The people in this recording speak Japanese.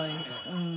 うん。